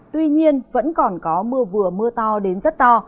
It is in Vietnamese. tuy nhiên vẫn còn có mưa vừa mưa to đến rất to